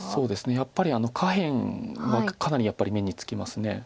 やっぱり下辺はかなり目につきます。